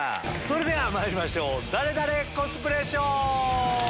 それではまいりましょう「ダレダレ？コスプレショー」。